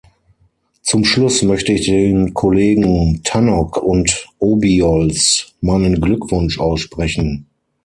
Zum Schluss möchte ich den Kollegen Tannock und Obiols meinen Glückwunsch aussprechen.